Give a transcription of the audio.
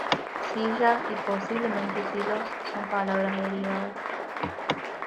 Cilla y Posiblemente Silos son palabras derivadas.